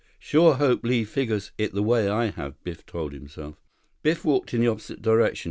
"Sure hope Li figures it the way I have," Biff told himself. Biff walked in the opposite direction.